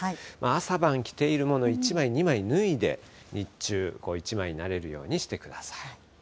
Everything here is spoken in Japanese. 朝晩着ているもの、１枚２枚脱いで、日中、１枚になれるようにしてください。